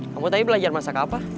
kamu tadi belajar masak apa